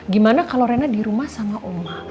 gimana kalau rina dirumah sama oma